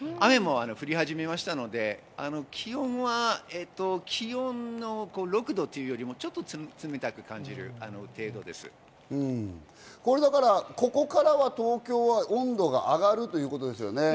雨も降り始めましたので、気温は気温の６度というよりもここからは東京は温度が上がるということですよね。